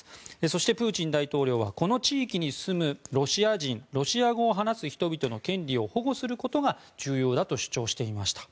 そして、プーチン大統領はこの地域に住むロシア人ロシア語を話す人々の権利を保護することが重要だと主張していました。